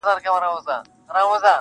• زه په تا پسي ځان نه سم رسولای -